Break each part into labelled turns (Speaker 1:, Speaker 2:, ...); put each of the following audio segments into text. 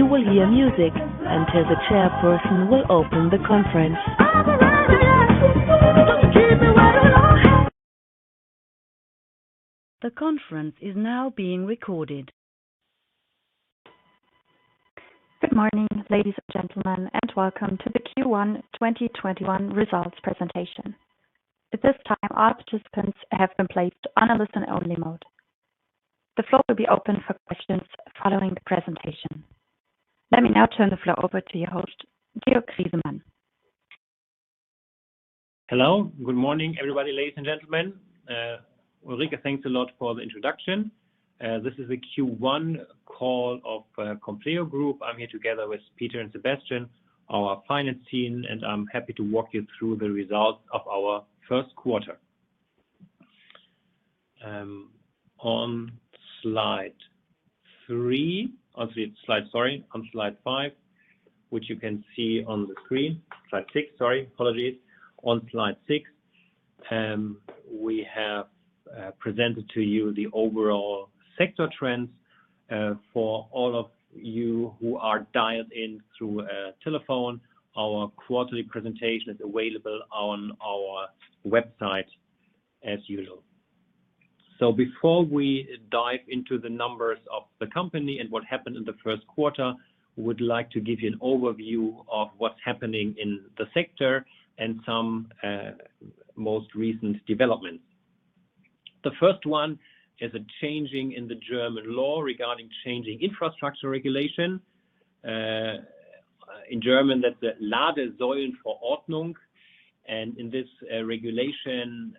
Speaker 1: Good morning, ladies and gentlemen, and welcome to the Q1 2021 results presentation. At this time, all participants have been placed on listen-only mode. The floor will be open for questions following the presentation. Let me now turn the floor over to your host, Georg Griesemann.
Speaker 2: Hello. Good morning, everybody, ladies and gentlemen. Ulrike, thanks a lot for the introduction. This is a Q1 call of Compleo Group. I'm here together with Peter and Sebastian, our finance team, and I'm happy to walk you through the results of our first quarter. On slide five, which you can see on the screen. Slide six, sorry. On slide six, we have presented to you the overall sector trends. For all of you who are dialed in through telephone, our quarterly presentation is available on our website, as usual. Before we dive into the numbers of the company and what happened in the first quarter, we would like to give you an overview of what's happening in the sector and some most recent developments. The first one is a changing in the German law regarding charging infrastructure regulation. In German, that's the Ladesäulenverordnung. In this regulation,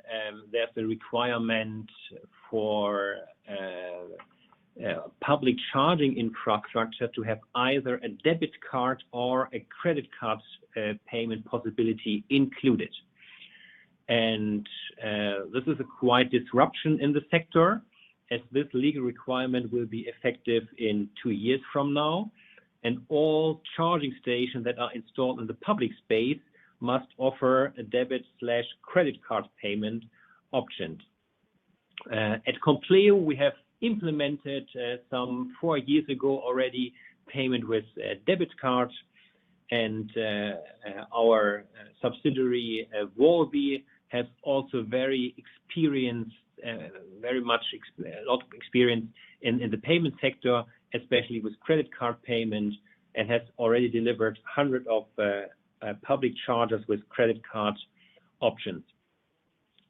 Speaker 2: there's a requirement for public charging infrastructure to have either a debit card or a credit card payment possibility included. This is a quite disruption in the sector, as this legal requirement will be effective in two years from now, and all charging stations that are installed in the public space must offer a debit/credit card payment option. At Compleo, we have implemented some four years ago already, payment with debit cards and our subsidiary, wallbe, has also a lot of experience in the payment sector, especially with credit card payment, and has already delivered 100 public chargers with credit card options.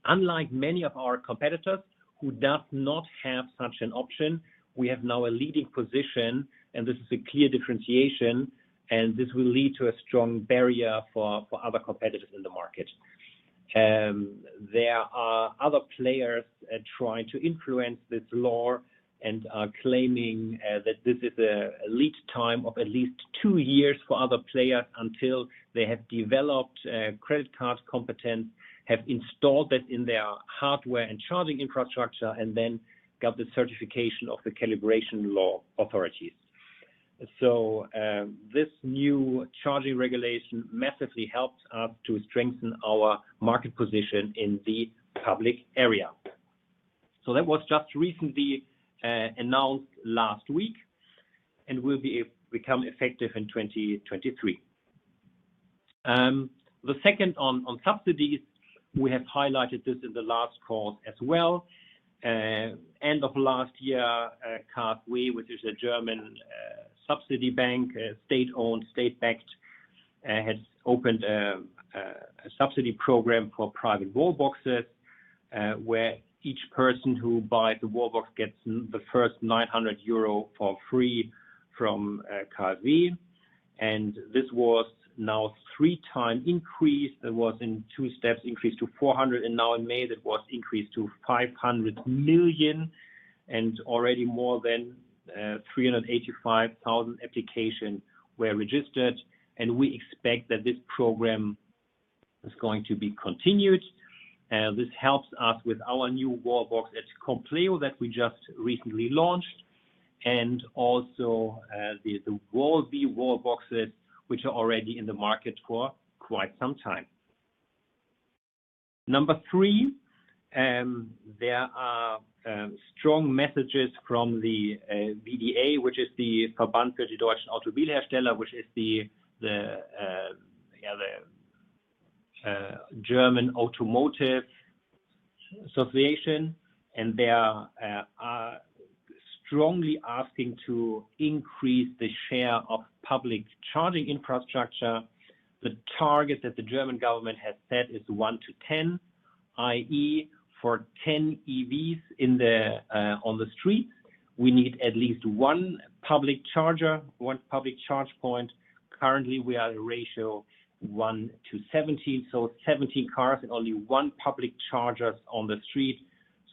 Speaker 2: Unlike many of our competitors who does not have such an option, we have now a leading position, and this is a clear differentiation, and this will lead to a strong barrier for other competitors in the market. There are other players trying to influence this law and are claiming that this is a lead time of at least two years for other players until they have developed credit card competence, have installed that in their hardware and charging infrastructure, and then got the certification of the calibration law authorities. This new charging regulation massively helps us to strengthen our market position in the public area. That was just recently announced last week and will become effective in 2023. The second on subsidies, we have highlighted this in the last call as well. End of last year, KfW, which is a German subsidy bank, state-owned, state-backed, has opened a subsidy program for private wall boxes, where each person who buy the wall box gets the first 900 euro for free from KfW. This was now 3x increased. It was in two steps increased to 400 million. In May, it was increased to 500 million, and already more than 385,000 applications were registered. We expect that this program is going to be continued. This helps us with our new wall box at Compleo that we just recently launched, and also the wallbe wall boxes, which are already in the market for quite some time. Number three, there are strong messages from the VDA, which is the Verband der Deutschen Automobilindustrie, which is the German Automotive Association. They are strongly asking to increase the share of public charging infrastructure. The target that the German government has set is 1:10, i.e., for 10 EVs on the street, we need at least one public charger, one public charge point. Currently, we are at a ratio 1:17, so 17 cars and only one public charger on the street.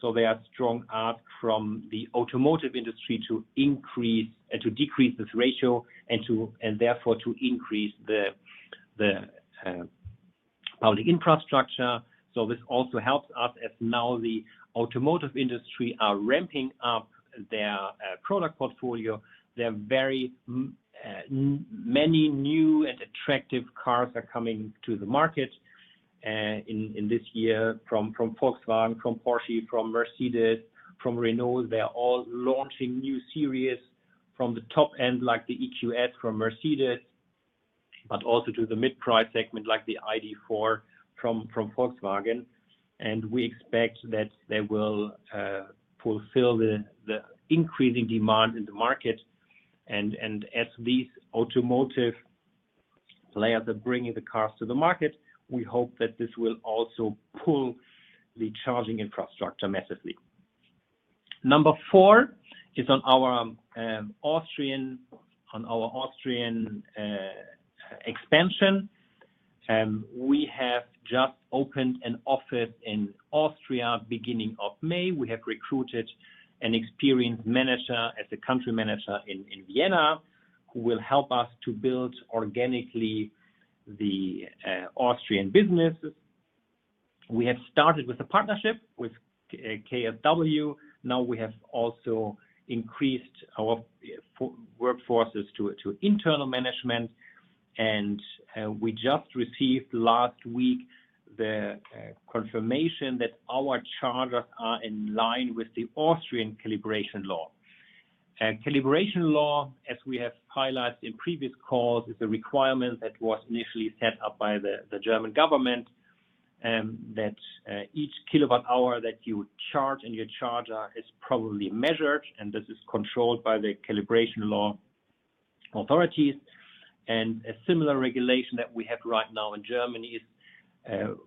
Speaker 2: There is a strong ask from the automotive industry to decrease this ratio and therefore to increase the public infrastructure. This also helps us as now the automotive industry are ramping up their product portfolio. Many new and attractive cars are coming to the market in this year from Volkswagen, from Porsche, from Mercedes, from Renault. They are all launching new series from the top end, like the EQS from Mercedes, but also to the mid-price segment, like the ID.4 from Volkswagen. We expect that they will fulfill the increasing demand in the market. As these automotive players are bringing the cars to the market, we hope that this will also pull the charging infrastructure massively. Number four is on our Austrian expansion. We have just opened an office in Austria, beginning of May. We have recruited an experienced manager as the country manager in Vienna, who will help us to build organically the Austrian business. We have started with a partnership with KSW. We have also increased our workforces to internal management, and we just received, last week, the confirmation that our chargers are in line with the Austrian Calibration Law. Calibration law, as we have highlighted in previous calls, is a requirement that was initially set up by the German government, that each kilowatt-hour that you charge in your charger is properly measured, and this is controlled by the calibration law authorities. A similar regulation that we have right now in Germany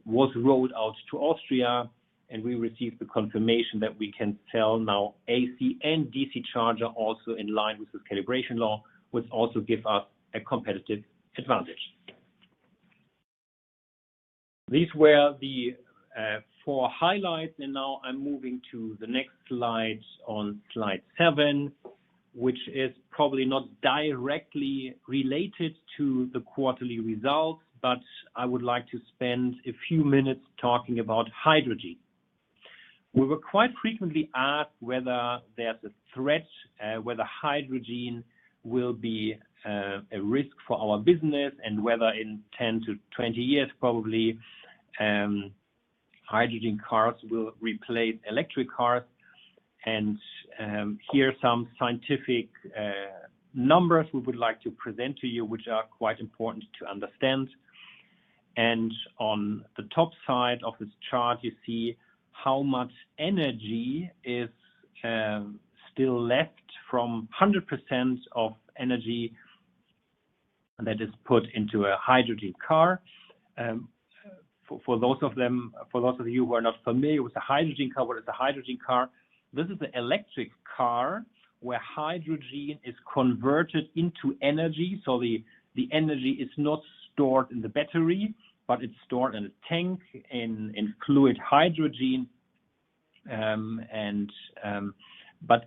Speaker 2: was rolled out to Austria, and we received the confirmation that we can sell now AC and DC charger also in line with this calibration law, which also give us a competitive advantage. These were the four highlights, and now I'm moving to the next slide, on slide seven, which is probably not directly related to the quarterly results, but I would like to spend a few minutes talking about hydrogen. We were quite frequently asked whether there's a threat, whether hydrogen will be a risk for our business, and whether in 10-20 years, probably, hydrogen cars will replace electric cars. Here are some scientific numbers we would like to present to you, which are quite important to understand. On the top side of this chart, you see how much energy is still left from 100% of energy that is put into a hydrogen car. For those of you who are not familiar with a hydrogen car, what is a hydrogen car? This is the electric car where hydrogen is converted into energy. The energy is not stored in the battery, but it's stored in a tank, in fluid hydrogen.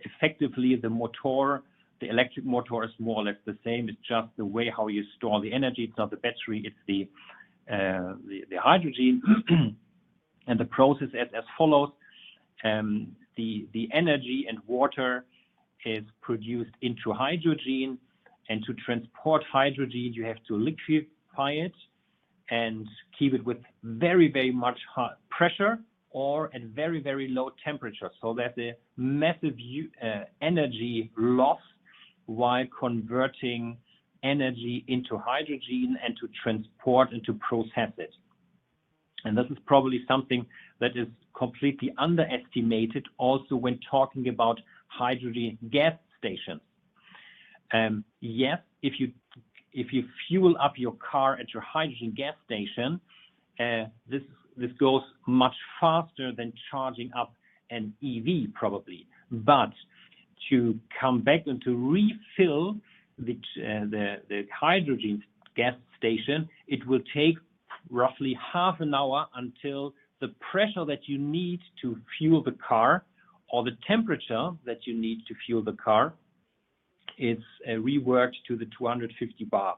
Speaker 2: Effectively, the electric motor is more or less the same. It's just the way how you store the energy. It's not the battery, it's the hydrogen. The process is as follows. The energy and water is produced into hydrogen. To transport hydrogen, you have to liquefy it and keep it with very, very much pressure or at very, very low temperature. There's a massive energy loss while converting energy into hydrogen and to transport and to process it. This is probably something that is completely underestimated also when talking about hydrogen gas stations. Yes, if you fuel up your car at your hydrogen gas station, this goes much faster than charging up an EV probably. To come back and to refill the hydrogen gas station, it will take roughly half an hour until the pressure that you need to fuel the car or the temperature that you need to fuel the car is reworked to the 250 bar.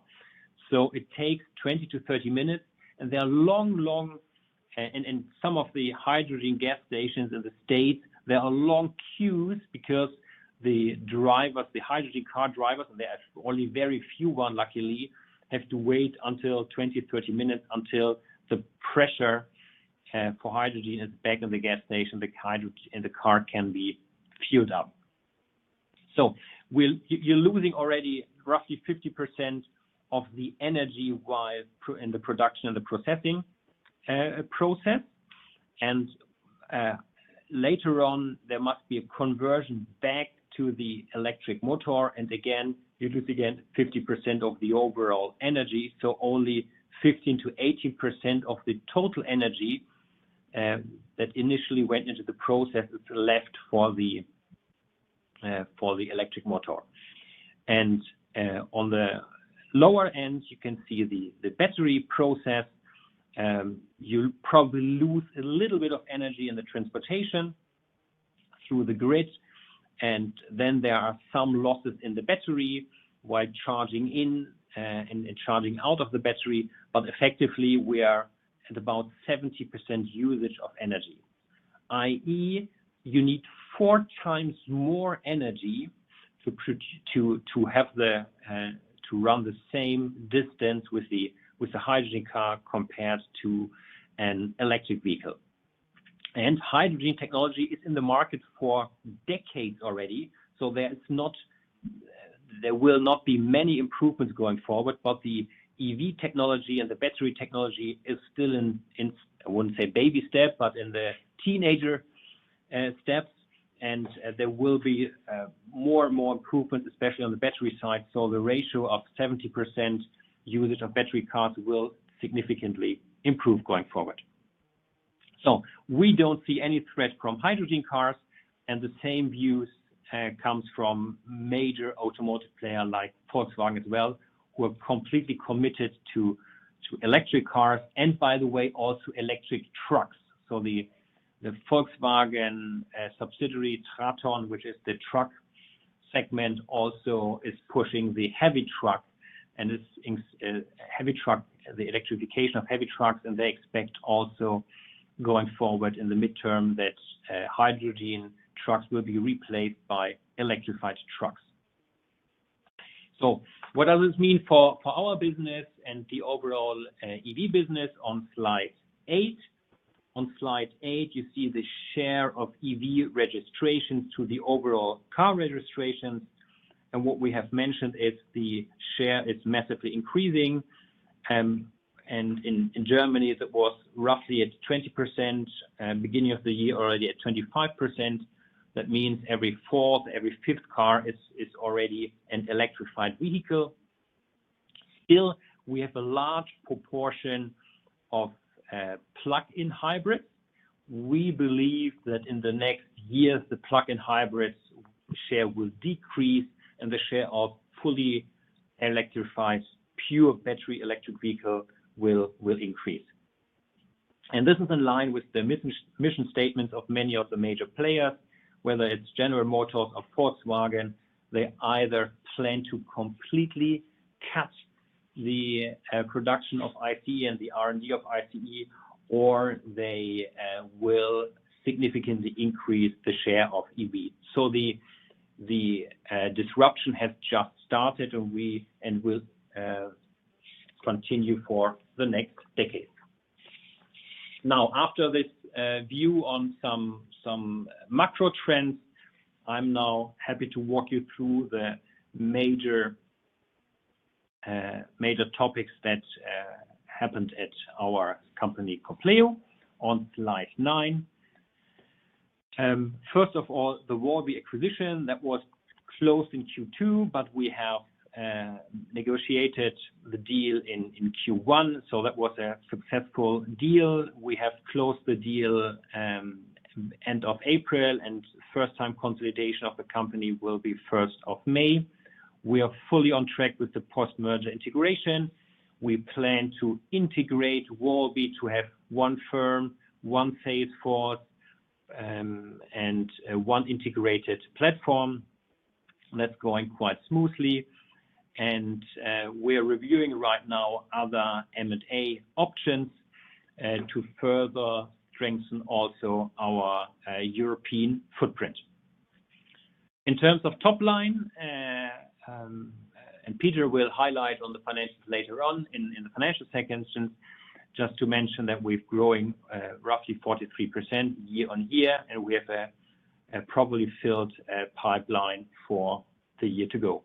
Speaker 2: It takes 20-30 minutes and in some of the hydrogen gas stations in the States, there are long queues because the hydrogen car drivers, and there are only very few luckily, have to wait until 20-30 minutes until the pressure for hydrogen is back in the gas station, the hydrogen in the car can be fueled up. You're losing already roughly 50% of the energy in the production and the processing process. Later on, there must be a conversion back to the electric motor, and again, you lose again 50% of the overall energy. Only 15%-18% of the total energy that initially went into the process is left for the electric motor. On the lower end, you can see the battery process. You'll probably lose a little bit of energy in the transportation through the grid, and then there are some losses in the battery while charging in and charging out of the battery. Effectively, we are at about 70% usage of energy, i.e., you need 4x more energy to run the same distance with the hydrogen car compared to an electric vehicle. Hydrogen technology is in the market for decades already. There will not be many improvements going forward. The EV technology and the battery technology is still in, I wouldn't say baby steps, but in the teenager steps, and there will be more and more improvement, especially on the battery side. The ratio of 70% unit of battery cars will significantly improve going forward. We don't see any threat from hydrogen cars, and the same views comes from major automotive player like Volkswagen as well, who are completely committed to electric cars and, by the way, also electric trucks. The Volkswagen subsidiary, TRATON, which is the truck segment, also is pushing the heavy truck, the electrification of heavy trucks, and they expect also going forward in the midterm that hydrogen trucks will be replaced by electrified trucks. What does it mean for our business and the overall EV business on slide eight? On slide eight, you see the share of EV registrations to the overall car registrations. What we have mentioned is the share is massively increasing. In Germany, that was roughly at 20%, beginning of the year, already at 25%. That means every fourth, every fifth car is already an electrified vehicle. Still, we have a large proportion of plug-in hybrids. We believe that in the next years, the plug-in hybrid share will decrease and the share of fully electrified pure battery electric vehicle will increase. This is in line with the mission statement of many of the major players, whether it's General Motors or Volkswagen. They either plan to completely cut the production of ICE and the R&D of ICE, or they will significantly increase the share of EV. The disruption has just started and will continue for the next decade. Now, after this view on some macro trends, I am now happy to walk you through the major topics that happened at our company, Compleo, on slide nine. First of all, the wallbe acquisition that was closed in Q2, but we have negotiated the deal in Q1, so that was a successful deal. We have closed the deal end of April. First-time consolidation of the company will be 1st of May. We are fully on track with the post-merger integration. We plan to integrate wallbe to have one firm, one sales force, and one integrated platform. That's going quite smoothly. We are reviewing right now other M&A options to further strengthen also our European footprint. In terms of top line, and Peter will highlight on the financials later on in the financial section, just to mention that we're growing roughly 43% year-on-year, and we have a properly filled pipeline for the year to go.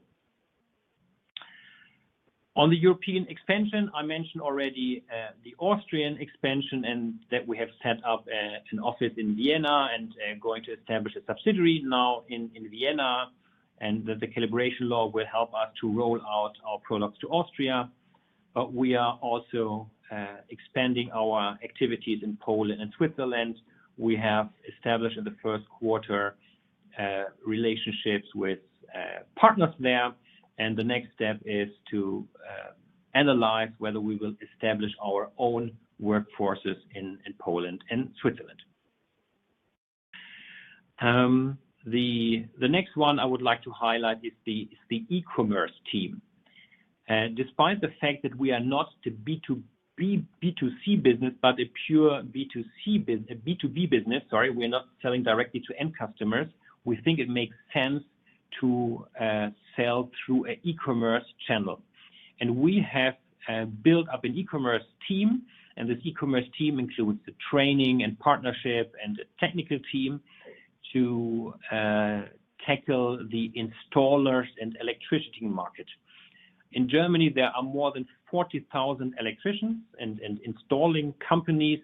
Speaker 2: On the European expansion, I mentioned already the Austrian expansion and that we have set up an office in Vienna and going to establish a subsidiary now in Vienna, and that the calibration law will help us to roll out our products to Austria. We are also expanding our activities in Poland and Switzerland. We have established in the first quarter, relationships with partners there, and the next step is to analyze whether we will establish our own workforces in Poland and Switzerland. The next one I would like to highlight is the e-commerce team. Despite the fact that we are not a B2C business, but a pure B2B business, we're not selling directly to end customers, we think it makes sense to sell through an e-commerce channel. We have built up an e-commerce team, and this e-commerce team includes the training and partnership and the technical team to tackle the installers and electricity market. In Germany, there are more than 40,000 electricians and installing companies,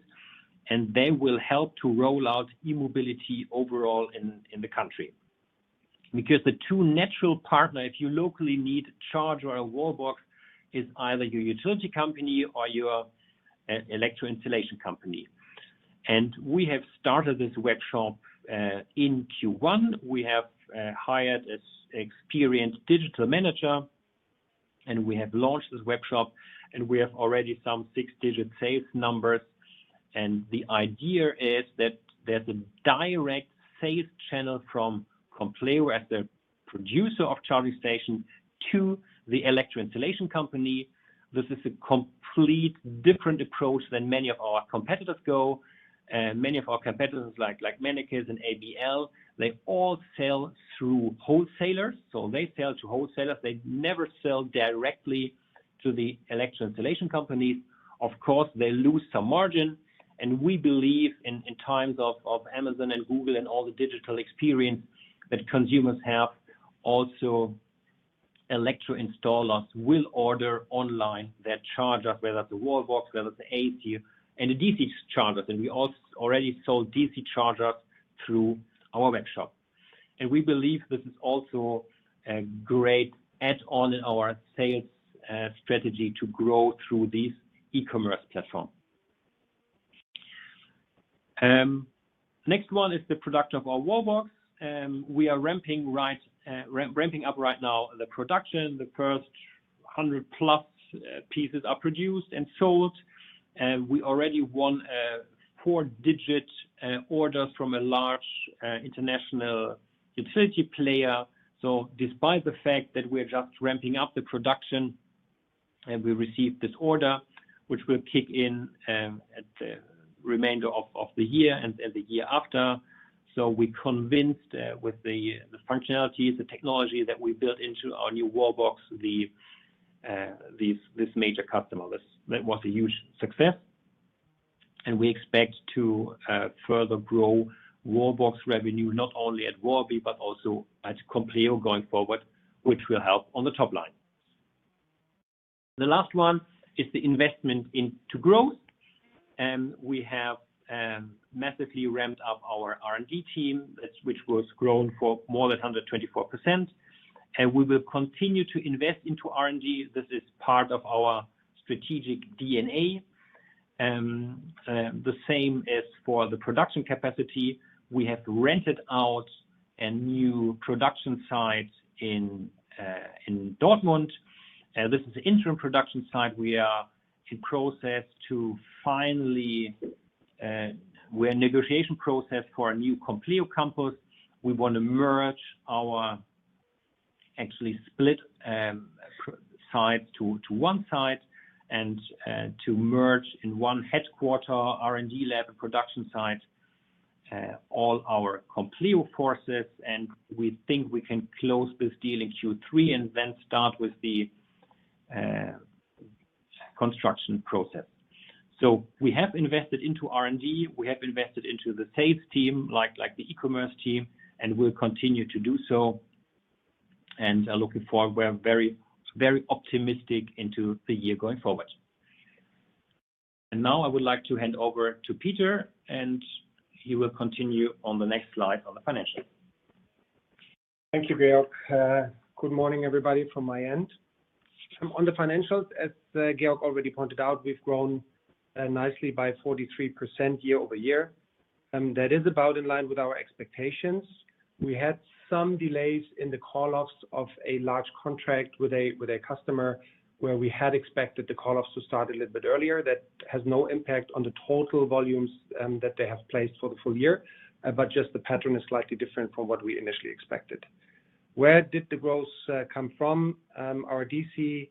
Speaker 2: and they will help to roll out e-mobility overall in the country. The two natural partners you locally need to charge your wallbox is either your utility company or your electro installation company. We have started this webshop in Q1. We have hired an experienced digital manager, and we have launched this webshop, and we have already some six-digit sales numbers. The idea is that there's a direct sales channel from Compleo as a producer of charging station to the electro installation company. This is a complete different approach than many of our competitors go. Many of our competitors like MENNEKES and ABL, they all sell through wholesalers. They sell to wholesalers. They never sell directly to the electro installation companies. Of course, they lose some margin, and we believe in times of Amazon and Google and all the digital experience that consumers have, also electro installers will order online their charger, whether it's a wallbox, whether it's AC and the DC chargers. We also already sold DC chargers through our webshop. We believe this is also a great add-on in our sales strategy to grow through these e-commerce platforms. Next one is the production of our wallbox. We are ramping up right now the production. The first 100+ pieces are produced and sold, and we already won a four-digit order from a large international utility player. Despite the fact that we are just ramping up the production and we received this order, which will kick in at the remainder of the year and then the year after. We convinced with the functionality, the technology that we built into our new wallbox, this major customer. That was a huge success, and we expect to further grow wallbox revenue not only at wallbe but also at Compleo going forward, which will help on the top line. The last one is the investment into growth, and we have massively ramped up our R&D team, which was grown for more than 124%, and we will continue to invest into R&D. This is part of our strategic DNA. The same as for the production capacity. We have rented out a new production site in Dortmund. This is an interim production site. We are in negotiation process for our new Compleo Campus. We want to merge our, actually split site to one site and to merge in one headquarter, R&D lab, and production site, all our Compleo forces. We think we can close this deal in Q3 and then start with the construction process. We have invested into R&D. We have invested into the sales team, like the e-commerce team. We'll continue to do so, and are looking forward. We're very optimistic into the year going forward. Now I would like to hand over to Peter, and he will continue on the next slide on the financials.
Speaker 3: Thank you, Georg. Good morning, everybody, from my end. On the financials, as Georg already pointed out, we've grown nicely by 43% year-over-year. That is about in line with our expectations. We had some delays in the call-offs of a large contract with a customer where we had expected the call-offs to start a little bit earlier. That has no impact on the total volumes that they have placed for the full year, but just the pattern is slightly different from what we initially expected. Where did the growth come from? Our DC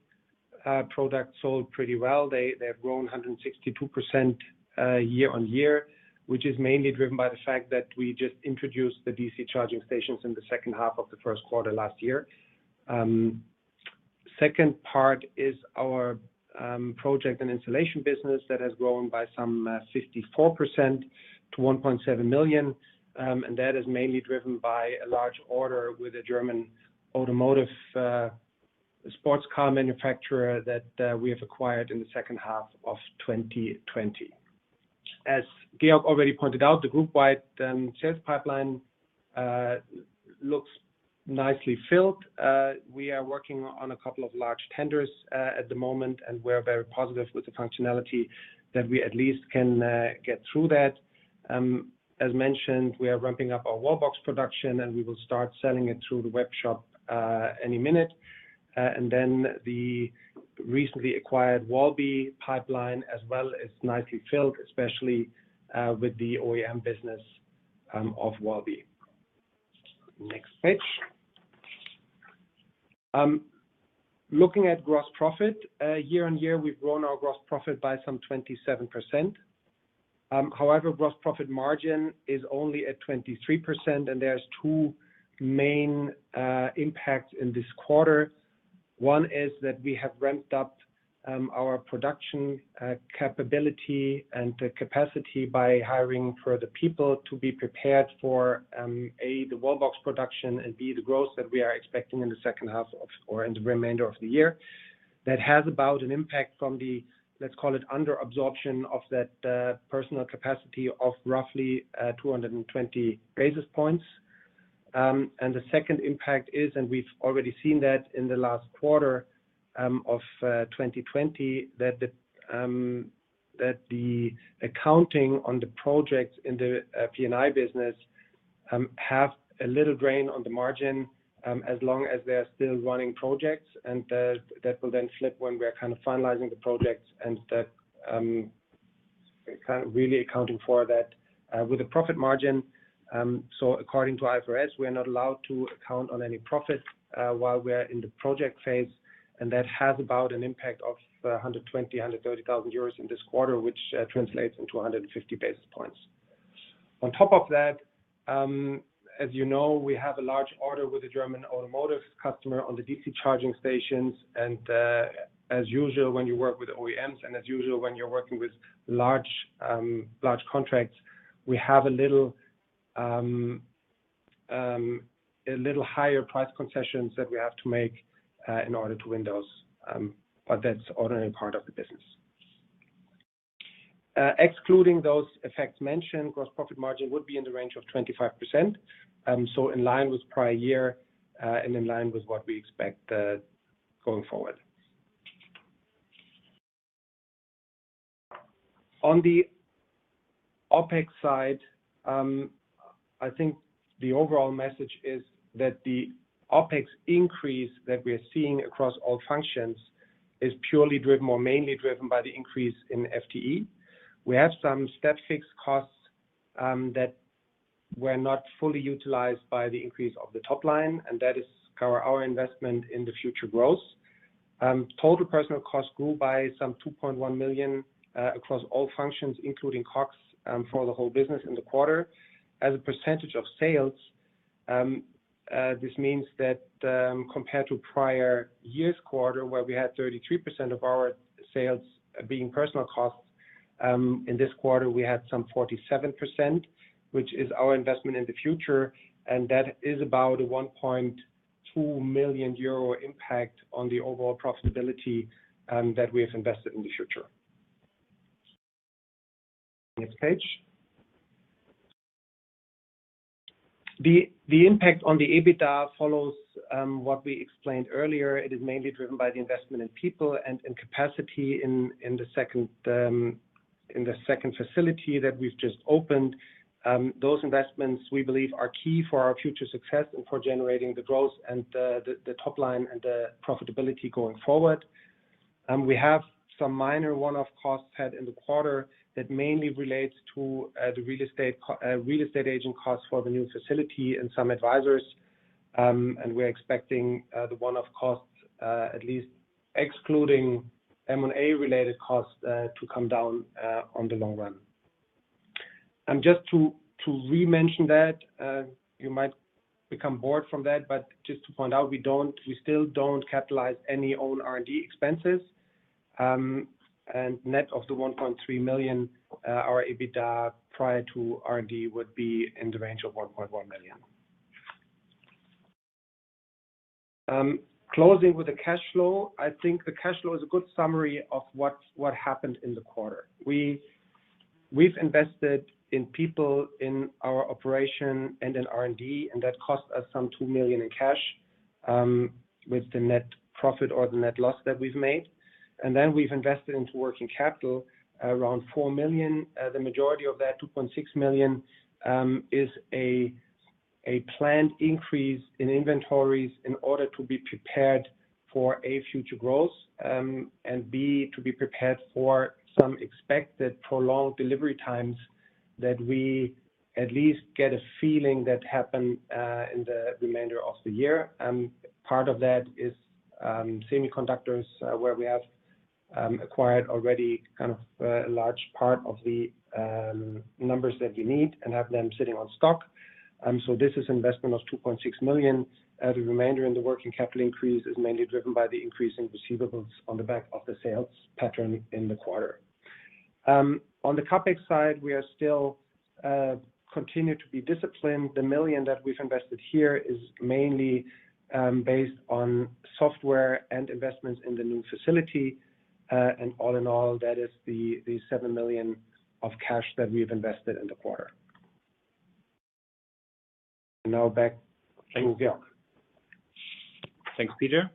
Speaker 3: product sold pretty well. They've grown 162% year-on-year, which is mainly driven by the fact that we just introduced the DC charging stations in the second half of the first quarter last year. Second part is our project and installation business that has grown by some 54% to 1.7 million, and that is mainly driven by a large order with the German automotive, the sports car manufacturer that we have acquired in the second half of 2020. As Georg already pointed out, the group-wide sales pipeline looks nicely filled. We are working on a couple of large tenders at the moment, and we're very positive with the functionality that we at least can get through that. As mentioned, we are ramping up our wallbox production, and we will start selling it through the web shop any minute. The recently acquired wallbe pipeline as well is nicely filled, especially with the OEM business of wallbe. Next page. Looking at gross profit, year-on-year, we've grown our gross profit by some 27%. However, gross profit margin is only at 23%, and there are two main impacts in this quarter. One is that we have ramped up our production capability and the capacity by hiring further people to be prepared for, A, the wallbox production, and B, the growth that we are expecting in the second half or in the remainder of the year. That has about an impact from the, let's call it under absorption of that personal capacity of roughly 220 basis points. The second impact is, and we've already seen that in the last quarter of 2020, that the accounting on the projects in the P&I business have a little drain on the margin, as long as they're still running projects. That will then flip when we're kind of finalizing the projects. And that, kind of really accounting for that. With the profit margin. According to IFRS, we are not allowed to account on any profits while we are in the project phase, and that has about an impact of 120,000, 130,000 euros in this quarter, which translates into 150 basis points. On top of that, as you know, we have a large order with the German automotive customer on the DC charging stations and, as usual, when you work with OEMs and as usual when you're working with large contracts, we have a little higher price concessions that we have to make in order to win those. That's ordinary part of the business. Excluding those effects mentioned, gross profit margin would be in the range of 25%. In line with prior year, and in line with what we expect going forward. On the OpEx side, I think the overall message is that the OpEx increase that we're seeing across all functions is purely driven, or mainly driven by the increase in FTE. We have some step-fixed costs that were not fully utilized by the increase of the top line, and that is our investment in the future growth. Total personal costs grew by some 2.1 million, across all functions, including COGS, for the whole business in the quarter. As a percentage of sales, this means that, compared to prior year's quarter, where we had 33% of our sales being personal costs, in this quarter, we had some 47%, which is our investment in the future, and that is about a 1.2 million euro impact on the overall profitability that we have invested in the future. Next page. The impact on the EBITDA follows what we explained earlier. It is mainly driven by the investment in people and in capacity in the second facility that we've just opened. Those investments, we believe, are key for our future success and for generating the growth and the top line and the profitability going forward. We have some minor one-off costs had in the quarter that mainly relates to the real estate agent costs for the new facility and some advisors. We're expecting the one-off costs, at least excluding M&A related costs, to come down on the long run. Just to re-mention that, you might become bored from that, but just to point out, we still don't capitalize any own R&D expenses. Net of the 1.3 million, our EBITDA prior to R&D would be in the range of 1.1 million. Closing with the cash flow. I think the cash flow is a good summary of what happened in the quarter. We've invested in people in our operation and in R&D. That cost us some 2 million in cash, with the net profit or the net loss that we've made. We've invested into working capital around 4 million. The majority of that, 2.6 million, is a planned increase in inventories in order to be prepared for, A, future growth, and B, to be prepared for some expected prolonged delivery times that we at least get a feeling that happened in the remainder of the year. Part of that is semiconductors, where we have acquired already a large part of the numbers that we need and have them sitting on stock. This is investment of 2.6 million. The remainder in the working capital increase is mainly driven by the increase in receivables on the back of the sales pattern in the quarter. On the CapEx side, we are still continue to be disciplined. The 1 million that we've invested here is mainly based on software and investments in the new facility. All in all, that is the 7 million of cash that we've invested in the quarter. Back to Georg.
Speaker 2: Thanks, Peter.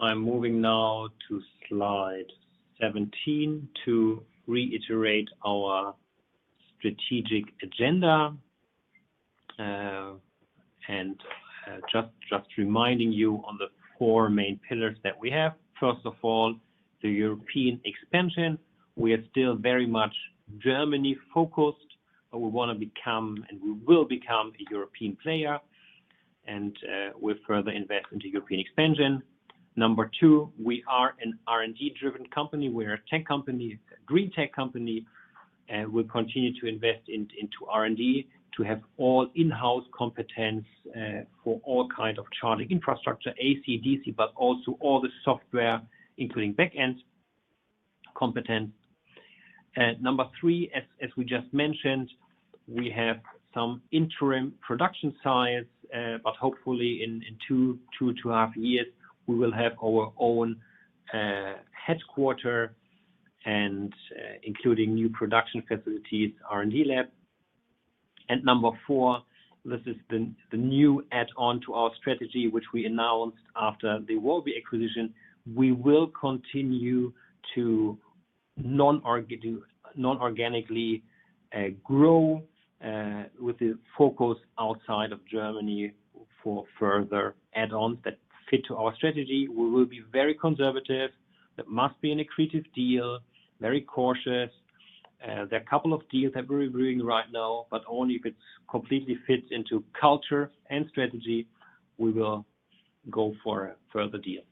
Speaker 2: I'm moving now to slide 17 to reiterate our strategic agenda. Just reminding you on the four main pillars that we have. First of all, the European expansion. We are still very much Germany-focused, but we want to become, and we will become, a European player and with further investment to European expansion. Number two, we are an R&D-driven company. We're a tech company, a green tech company, and we'll continue to invest into R&D to have all in-house competence for all kind of charging infrastructure, AC, DC, but also all the software, including back-end competence. Number three, as we just mentioned, we have some interim production sites, but hopefully in two, two and a half years, we will have our own headquarter and including new production facilities, R&D lab. Number four, this is the new add-on to our strategy, which we announced after the wallbe acquisition. We will continue to non-organically grow with a focus outside of Germany for further add-ons that fit our strategy, we will be very conservative. That must be an accretive deal, very cautious. There are a couple of deals that we're reviewing right now, but only if it completely fits into culture and strategy, we will go for a further deal.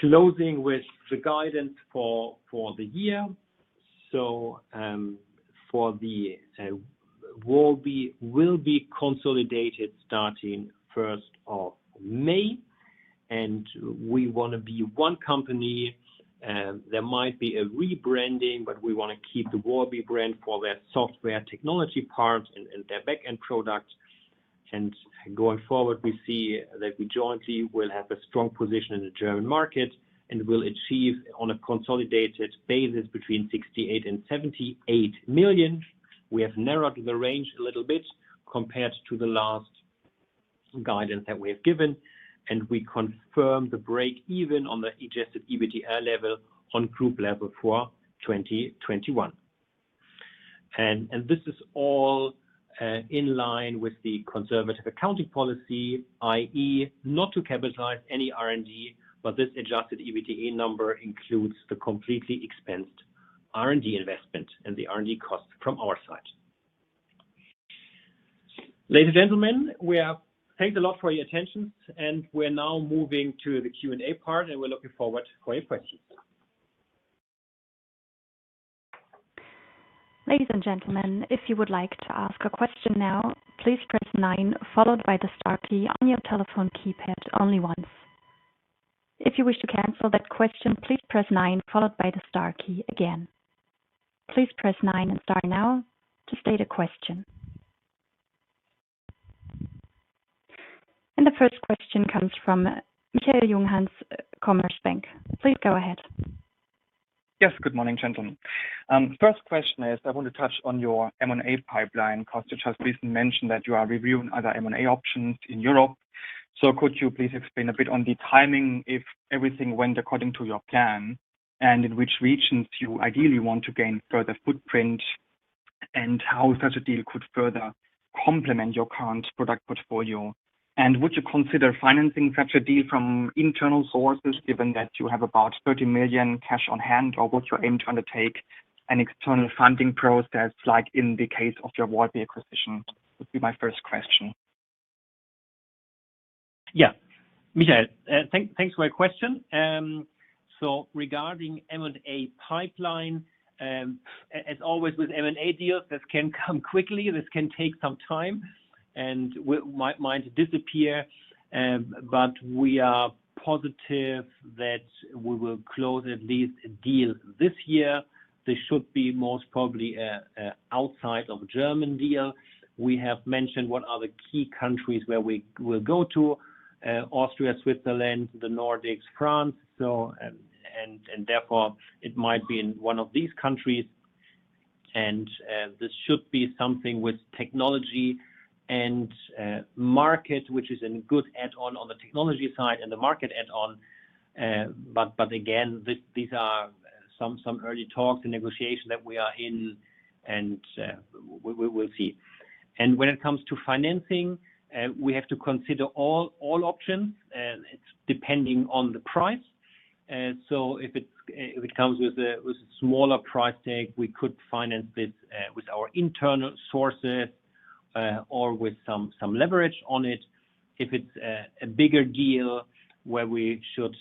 Speaker 2: Closing with the guidance for the year. wallbe will be consolidated starting 1st of May, and we want to be one company. There might be a rebranding, but we want to keep the wallbe brand for their software technology parts and their back-end products. Going forward, we see that we jointly will have a strong position in the German market and will achieve on a consolidated basis between 68 million and 78 million. We have narrowed the range a little bit compared to the last guidance that we have given. We confirm the break even on the adjusted EBITDA level on group level for 2021. This is all in line with the conservative accounting policy, i.e., not to capitalize any R&D, but this adjusted EBITDA number includes the completely expensed R&D investment and the R&D cost from our side. Ladies and gentlemen, thanks a lot for your attention. We are now moving to the Q&A part. We are looking forward to your questions.
Speaker 1: Ladies and gentlemen, if you would like to ask a question now, please press nine followed by the star key on your telephone keypad only once. If you wish to cancel the question, please press nine followed by the star key again. Please press nine and star now to state a question. The first question comes from Michael Junghans, Commerzbank. Please go ahead.
Speaker 4: Yes, good morning, gentlemen. First question, I want to touch on your M&A pipeline. Karsten has recently mentioned that you are reviewing other M&A options in Europe. Could you please explain a bit on the timing if everything went according to your plan, and in which regions you ideally want to gain further footprint, and how such a deal could further complement your current product portfolio? Would you consider financing such a deal from internal sources, given that you have about 30 million cash on hand, or was your aim to undertake an external funding process like in the case of your wallbe acquisition? Would be my first question.
Speaker 2: Yeah, Michael, thanks for your question. Regarding M&A pipeline, as always with M&A deals, that can come quickly, this can take some time and might disappear. We are positive that we will close at least a deal this year. They should be most probably outside of German deal. We have mentioned what are the key countries where we will go to, Austria, Switzerland, the Nordics, France. Therefore it might be in one of these countries, and this should be something with technology and market, which is a good add-on on the technology side and the market add-on. Again, these are some early talks and negotiation that we are in, and we will see. When it comes to financing, we have to consider all options. It's depending on the price. If it comes with a smaller price tag, we could finance this with our internal sources or with some leverage on it. If it's a bigger deal where we should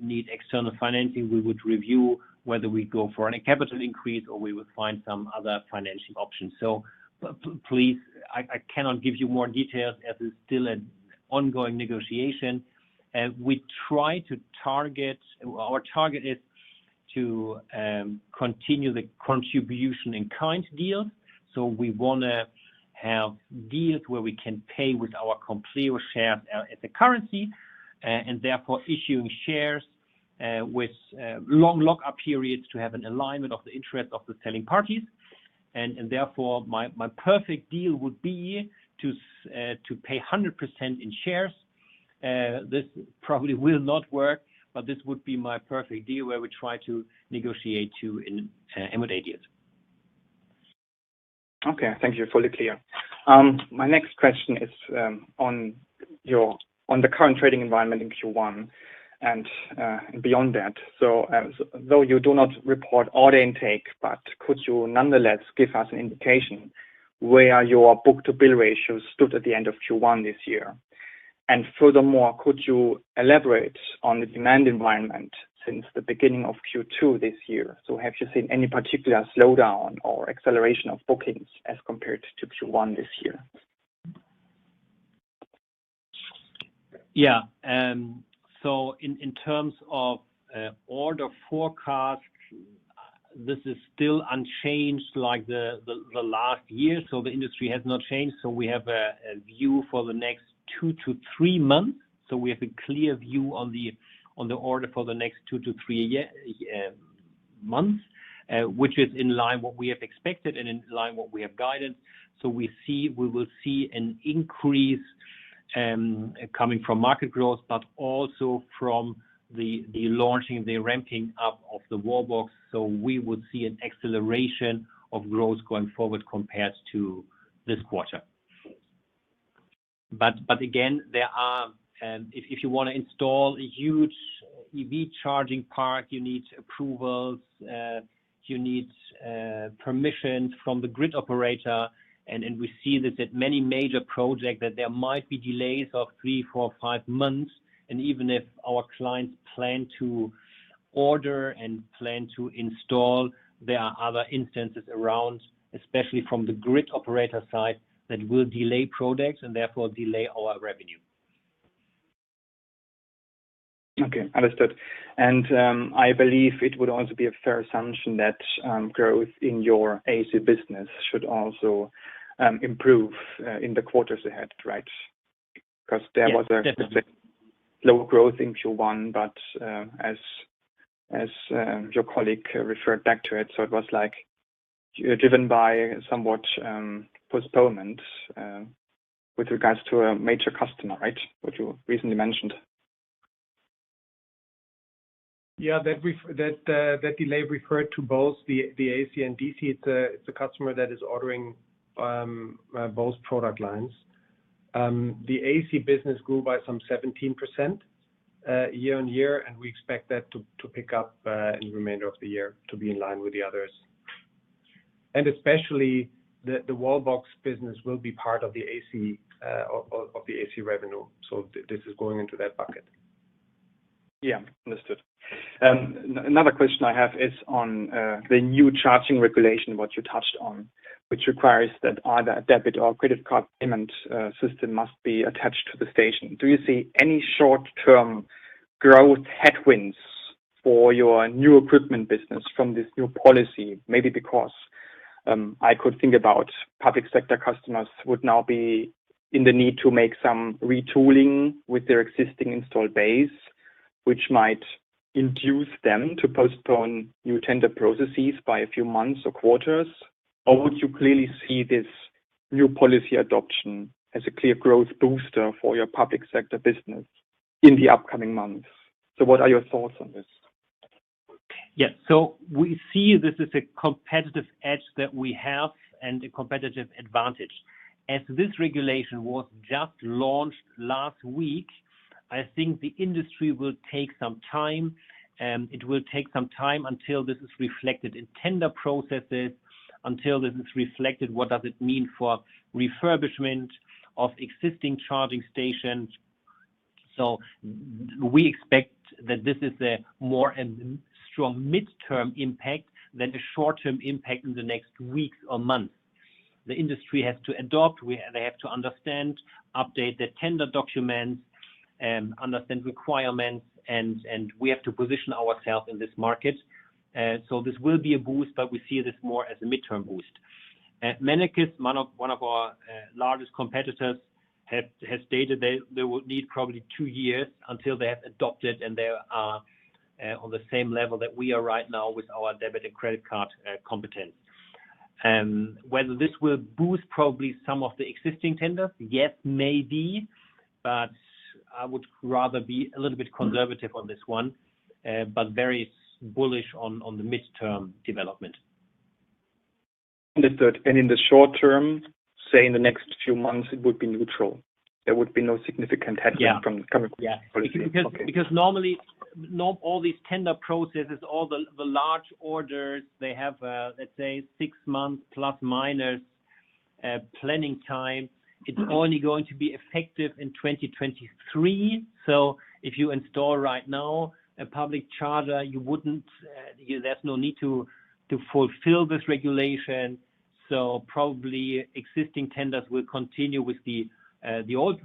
Speaker 2: need external financing, we would review whether we go for a capital increase or we would find some other financial option. Please, I cannot give you more details as it's still an ongoing negotiation. Our target is to continue the contribution in kind deals. We want to have deals where we can pay with our complete share at the currency, and therefore issuing shares with long lock-up periods to have an alignment of the interest of the selling parties. Therefore, my perfect deal would be to pay 100% in shares. This probably will not work, but this would be my perfect deal where we try to negotiate to M&A deals.
Speaker 4: Okay, thank you. Fully clear. My next question is on the current trading environment in Q1 and beyond that. Though you do not report order intake, but could you nonetheless give us an indication where your book-to-bill ratio stood at the end of Q1 this year? Furthermore, could you elaborate on the demand environment since the beginning of Q2 this year? Have you seen any particular slowdown or acceleration of bookings as compared to Q1 this year?
Speaker 2: Yeah. In terms of order forecast, this is still unchanged like the last year, the industry has not changed. We have a view for the next two to three months. We have a clear view on the order for the next two to three months, which is in line what we have expected and in line what we have guided. We will see an increase coming from market growth, also from the launching, the ramping up of the wallbox, so we would see an acceleration of growth going forward compared to this quarter. Again, if you want to install a huge EV charging park, you need approvals, you need permission from the grid operator. We see this at many major projects, that there might be delays of three, four, or five months. Even if our clients plan to order and plan to install, there are other instances around, especially from the grid operator side, that will delay projects and therefore delay our revenue.
Speaker 4: Okay, understood. I believe it would also be a fair assumption that growth in your AC business should also improve in the quarters ahead, right? There was a specific low growth in Q1, but as your colleague referred back to it, so it was driven by somewhat postponement with regards to a major customer, right? Which you recently mentioned.
Speaker 2: That delay referred to both the AC and DC. It's a customer that is ordering both product lines. The AC business grew by some 17% year on year, and we expect that to pick up in the remainder of the year to be in line with the others. Especially, the wallbox business will be part of the AC revenue. This is going into that bucket.
Speaker 4: Yeah. Understood. Another question I have is on the new charging regulation, what you touched on, which requires that either a debit or credit card payment system must be attached to the station. Do you see any short-term growth headwinds for your new equipment business from this new policy? Maybe because, I could think about public sector customers would now be in the need to make some retooling with their existing install base, which might induce them to postpone new tender processes by a few months or quarters. Would you clearly see this new policy adoption as a clear growth booster for your public sector business in the upcoming months? What are your thoughts on this?
Speaker 2: We see this as a competitive edge that we have and a competitive advantage. As this regulation was just launched last week, I think the industry will take some time. It will take some time until this is reflected in tender processes, until this is reflected, what does it mean for refurbishment of existing charging stations. We expect that this is a more strong midterm impact than a short-term impact in the next weeks or months. The industry has to adopt, they have to understand, update their tender documents, understand requirements, and we have to position ourselves in this market. This will be a boost, but we see this more as a midterm boost. MENNEKES, one of our largest competitors, has stated they will need probably two years until they have adopted and they are on the same level that we are right now with our debit and credit card competence. Whether this will boost probably some of the existing tenders, yes, maybe, but I would rather be a little bit conservative on this one, but very bullish on the midterm development.
Speaker 4: Understood. In the short-term, say in the next few months, it would be neutral. There would be no significant headwind from the policy.
Speaker 2: Yeah. Normally, all these tender processes, all the large orders they have, let's say six months, plus, minus planning time. It is only going to be effective in 2023. If you install right now a public charger, you have no need to fulfill this regulation. Probably existing tenders will continue with the old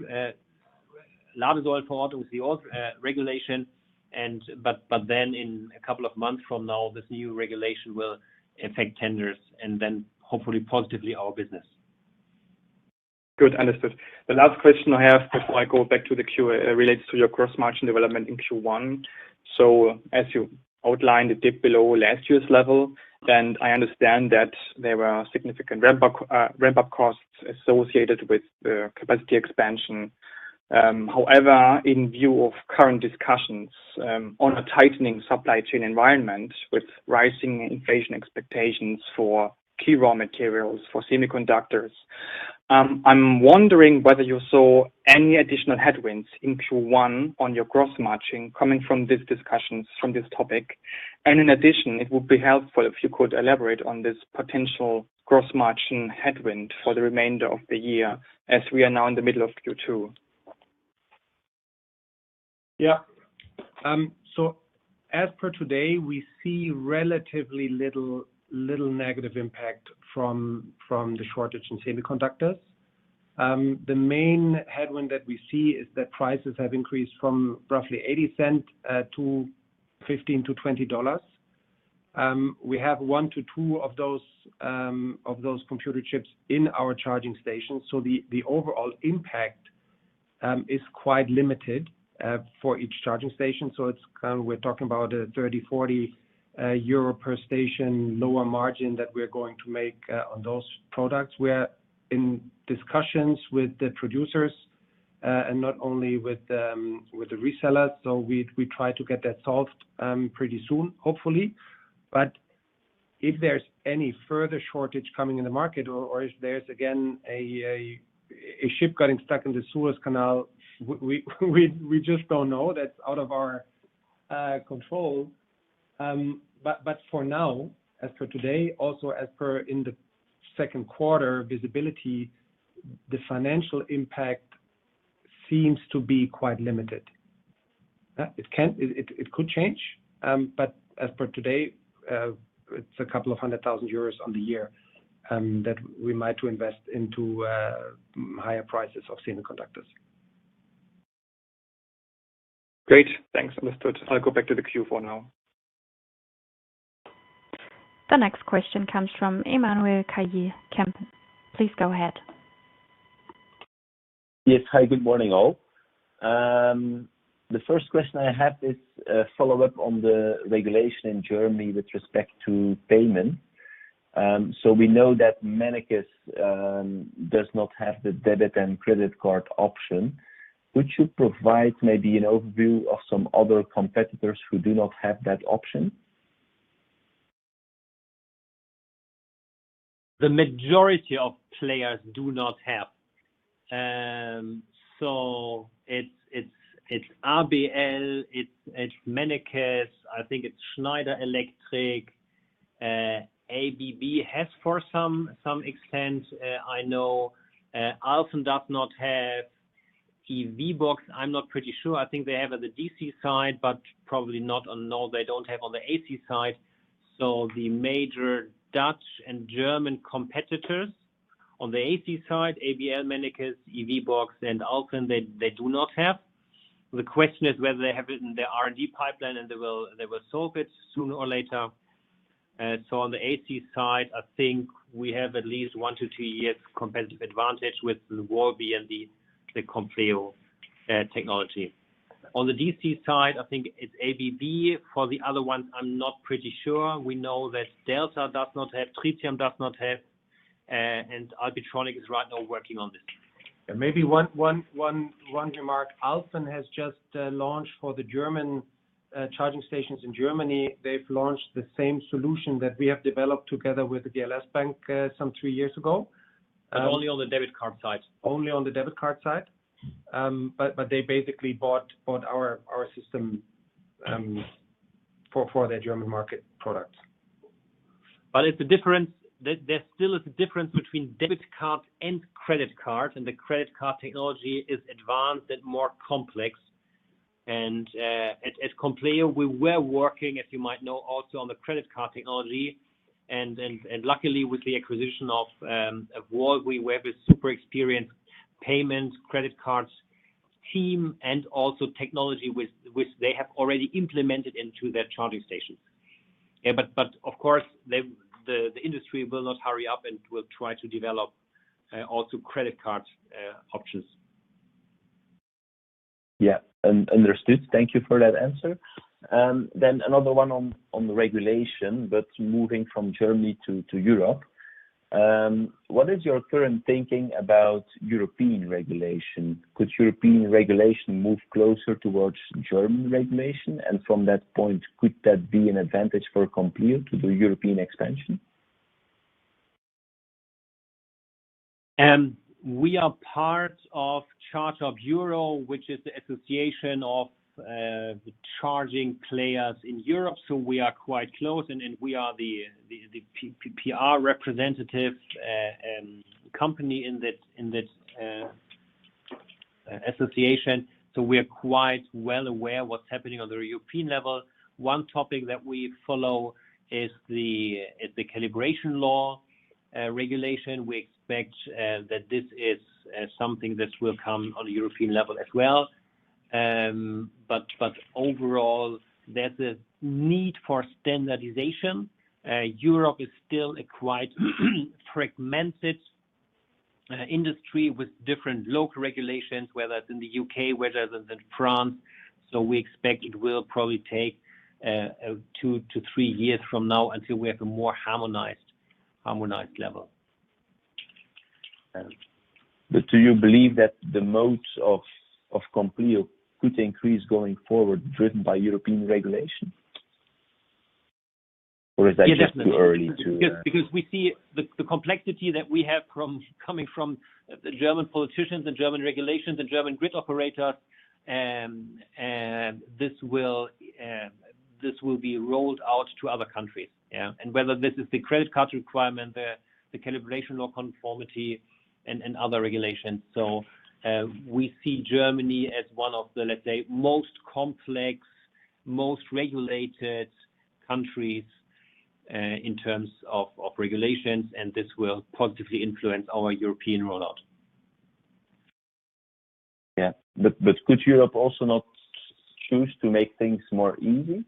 Speaker 2: regulation. In a couple of months from now, this new regulation will affect tenders and then hopefully positively our business.
Speaker 4: Good. Understood. The last question I have before I go back to the Q&A relates to your gross margin development in Q1. As you outlined, it dipped below last year's level, and I understand that there were significant ramp-up costs associated with the capacity expansion. However, in view of current discussions on a tightening supply chain environment with rising inflation expectations for key raw materials for semiconductors, I'm wondering whether you saw any additional headwinds in Q1 on your gross margin coming from these discussions from this topic. And in addition, it would be helpful if you could elaborate on this potential gross margin headwind for the remainder of the year, as we are now in the middle of Q2.
Speaker 2: As per today, we see relatively little negative impact from the shortage in semiconductors. The main headwind that we see is that prices have increased from roughly $0.80 to $15-$20. We have one to two of those computer chips in our charging station, so the overall impact is quite limited for each charging station. We're talking about a 30-40 euro per station lower margin that we're going to make on those products. We are in discussions with the producers. Not only with the resellers. We try to get that solved pretty soon, hopefully. If there's any further shortage coming in the market or if there's again a ship getting stuck in the Suez Canal, we just don't know. That's out of our control. For now, as for today, also as for in the second quarter visibility, the financial impact seems to be quite limited. It could change, but as for today, it's a couple of hundred thousand euros on the year that we might invest into higher prices of semiconductors.
Speaker 4: Great. Thanks, Mr. I'll go back to the queue for now.
Speaker 1: The next question comes from Emmanuel Carlier, Kempen. Please go ahead.
Speaker 5: Yes. Hi, good morning all. The first question I have is a follow-up on the regulation in Germany with respect to payment. We know that MENNEKES does not have the debit and credit card option. Would you provide maybe an overview of some other competitors who do not have that option?
Speaker 2: The majority of players do not have. It's ABL, it's MENNEKES, I think it's Schneider Electric. ABB has for some extent, I know. Alfen does not have. EVBox, I'm not pretty sure. I think they have on the DC side, but probably not on the AC side. The major Dutch and German competitors on the AC side, ABL, MENNEKES, EVBox, and Alfen, they do not have. The question is whether they have it in their R&D pipeline, and they will solve it sooner or later. On the AC side, I think we have at least one to two years competitive advantage with wallbe and the Compleo technology. On the DC side, I think it's ABB. For the other ones, I'm not pretty sure. We know that Delta does not have, Tritium does not have, and Alpitronic is right now working on it. Maybe one remark. Alfen has just launched for the German charging stations in Germany. They've launched the same solution that we have developed together with the DZ BANK some two years ago.
Speaker 5: Only on the debit card side?
Speaker 2: Only on the debit card side. They basically bought our system for their German market product. There still is a difference between debit cards and credit cards, and the credit card technology is advanced and more complex. At Compleo, we were working, as you might know, also on the credit card technology. Luckily with the acquisition of wallbe, we have a super experienced payments, credit cards team, and also technology which they have already implemented into their charging stations. Of course, the industry will not hurry up and will try to develop also credit card options.
Speaker 5: Yeah. Understood. Thank you for that answer. Another one on regulation, but moving from Germany to Europe. What is your current thinking about European regulation? Could European regulation move closer towards German regulation? From that point, could that be an advantage for Compleo to do European expansion?
Speaker 2: We are part of ChargeUp Europe, which is the association of the charging players in Europe, so we are quite close, and we are the PPR representative company in that association. We are quite well aware of what's happening on the European level. One topic that we follow is the calibration law regulation. We expect that this is something that will come on the European level as well. Overall, there's a need for standardization. Europe is still a quite fragmented industry with different local regulations, whether in the U.K., whether in France. We expect it will probably take two to three years from now until we have a more harmonized level.
Speaker 5: Do you believe that the moats of Compleo could increase going forward driven by European regulation? Or is that just too early?
Speaker 2: We see the complexity that we have coming from the German politicians, the German regulations, the German grid operators, this will be rolled out to other countries, whether this is the credit card requirement, the calibration or conformity and other regulations. We see Germany as one of the, let's say, most complex, most regulated countries, in terms of regulations, and this will positively influence our European rollout.
Speaker 5: Yeah. Could Europe also not choose to make things more easy,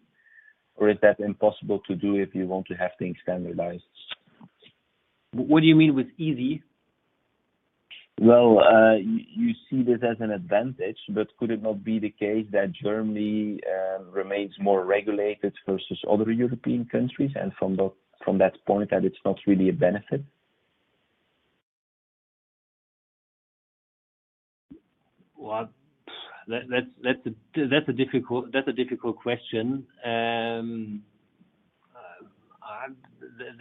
Speaker 5: or is that impossible to do if you want to have things standardized?
Speaker 2: What do you mean with easy?
Speaker 5: Well, you see this as an advantage, but could it not be the case that Germany remains more regulated versus other European countries, and from that point that it's not really a benefit?
Speaker 2: That's a difficult question. There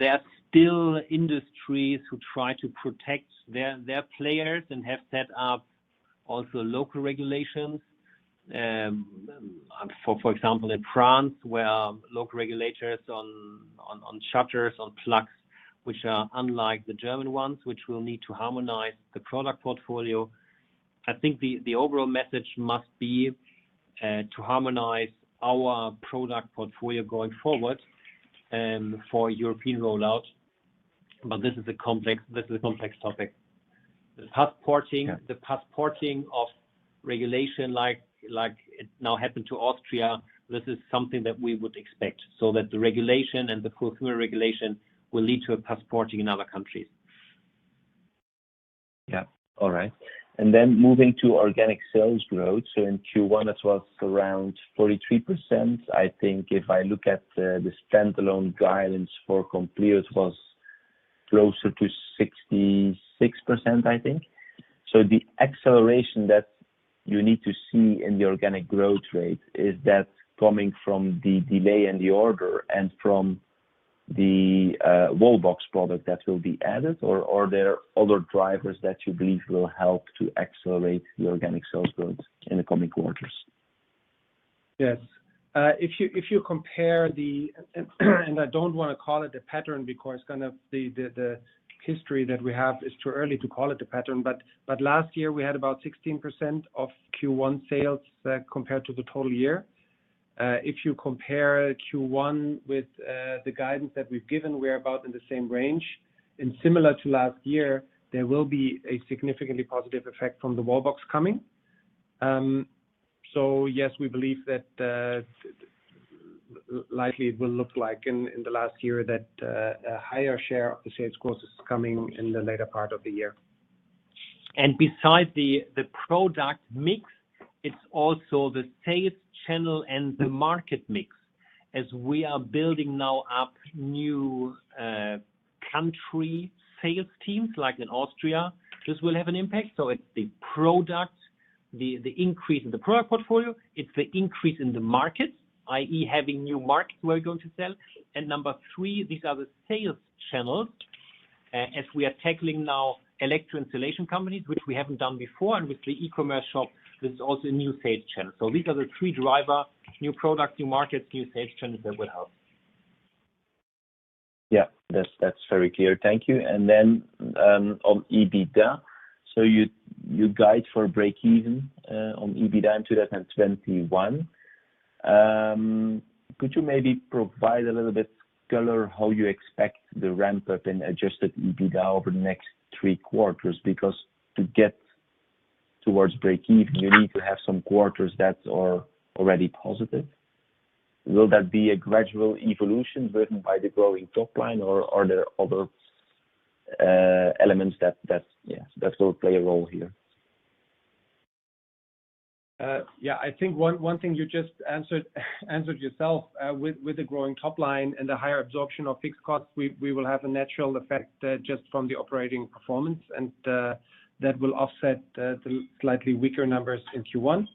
Speaker 2: are still industries who try to protect their players and have set up also local regulations. For example, in France, where local regulators on shutters, on plugs, which are unlike the German ones, which will need to harmonize the product portfolio. I think the overall message must be to harmonize our product portfolio going forward for European rollout, but this is a complex topic. The passporting of regulation, like it now happened to Austria, this is something that we would expect, so that the regulation and the consumer regulation will lead to a passporting in other countries.
Speaker 5: Yeah. All right. Moving to organic sales growth. In Q1, that was around 43%. I think if I look at the standalone guidance for Compleo was closer to 66%, I think. The acceleration that you need to see in the organic growth rate, is that coming from the delay in the order and from the wallbox product that will be added, or are there other drivers that you believe will help to accelerate the organic sales growth in the coming quarters?
Speaker 3: Yes. If you compare the, and I don't want to call it a pattern because kind of the history that we have is too early to call it a pattern, but last year we had about 16% of Q1 sales compared to the total year. If you compare Q1 with the guidance that we've given, we're about in the same range. Similar to last year, there will be a significantly positive effect from the wallbox coming. Yes, we believe that likely it will look like in the last year that a higher share of the sales growth is coming in the later part of the year.
Speaker 2: Beside the product mix, it's also the sales channel and the market mix. As we are building now up new country sales teams, like in Austria, this will have an impact. It's the product, the increase in the product portfolio, it's the increase in the markets, i.e., having new markets we're going to sell. Number three, these are the sales channels, as we are tackling now electro installation companies, which we haven't done before, and with the e-commerce shop, this is also a new sales channel. These are the three driver, new product, new markets, new sales channels that will help.
Speaker 5: Yeah. That's very clear. Thank you. On EBITDA. You guide for breakeven on EBITDA in 2021. Could you maybe provide a little bit color how you expect the ramp-up in adjusted EBITDA over the next three quarters? Because to get towards breakeven, you need to have some quarters that are already positive. Will that be a gradual evolution driven by the growing top line, or are there other elements that will play a role here?
Speaker 3: Yeah, I think one thing you just answered yourself. With the growing top line and the higher absorption of fixed costs, we will have a natural effect just from the operating performance, and that will offset the slightly weaker numbers in Q1.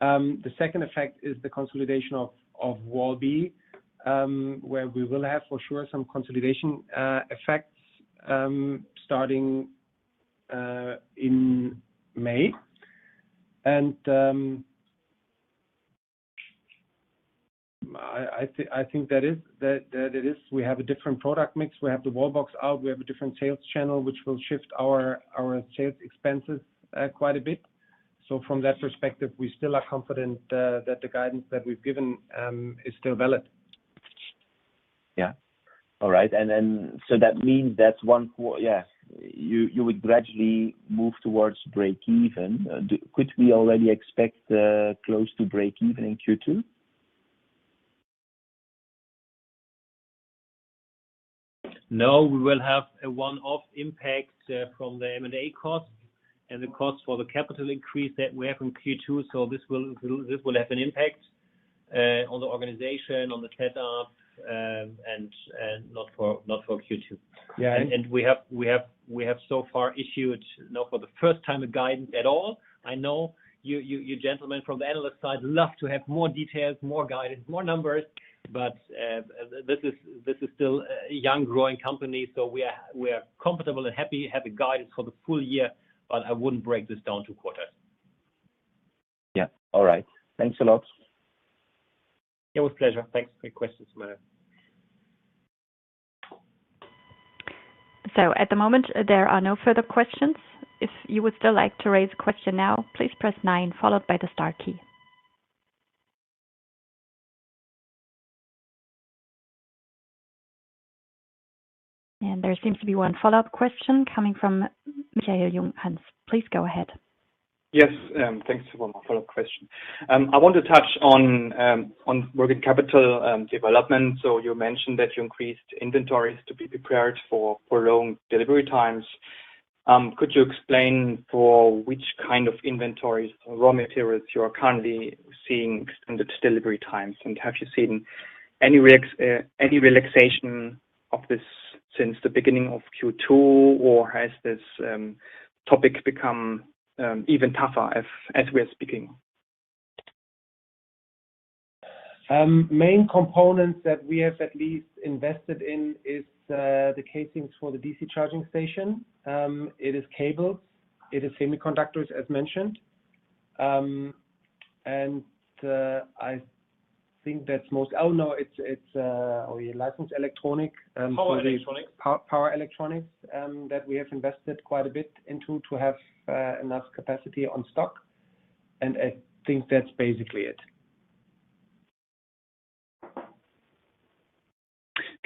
Speaker 3: The second effect is the consolidation of wallbe, where we will have for sure some consolidation effects starting in May. I think that it is. We have a different product mix. We have the wallbox out. We have a different sales channel, which will shift our sales expenses quite a bit. From that perspective, we still are confident that the guidance that we've given is still valid.
Speaker 5: Yeah. All right. That means that one quarter, yeah, you would gradually move towards breakeven. Could we already expect close to breakeven in Q2?
Speaker 2: No. We will have a one-off impact from the M&A cost and the cost for the capital increase that we have in Q2. This will have an impact on the organization, on the setup, and not for Q2. We have so far issued now for the first time a guidance at all. I know you gentlemen from the analyst side love to have more details, more guidance, more numbers. This is still a young, growing company, so we are comfortable and happy, have a guidance for the full year, but I wouldn't break this down to quarters.
Speaker 5: Yeah. All right. Thanks a lot.
Speaker 2: Yeah. With pleasure. Thanks for your questions, Emmanuel.
Speaker 1: At the moment, there are no further questions. If you would still like to raise a question now, please press nine followed by the star key. There seems to be one follow-up question coming from Michael Junghans. Please go ahead.
Speaker 4: Yes. Thanks for one more follow-up question. I want to touch on working capital development. You mentioned that you increased inventories to be prepared for long delivery times. Could you explain for which kind of inventories or raw materials you are currently seeing extended delivery times? Have you seen any relaxation of this since the beginning of Q2, or has this topic become even tougher as we are speaking?
Speaker 2: Main components that we have at least invested in is the casings for the DC charging station. It is cables, it is semiconductors, as mentioned. I think that's most.
Speaker 3: Power electronics.
Speaker 2: Power electronics, that we have invested quite a bit into to have enough capacity on stock, and I think that's basically it.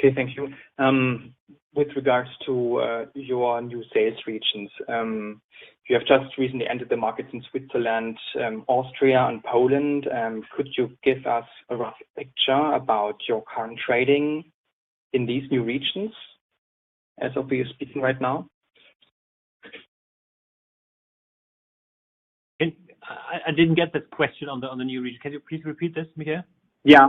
Speaker 4: Okay. Thank you. With regards to your new sales regions, you have just recently entered the market in Switzerland, Austria, and Poland. Could you give us a rough picture about your current trading in these new regions as of we are speaking right now?
Speaker 2: I didn't get that question on the new region. Can you please repeat that, Michael?
Speaker 4: Yeah.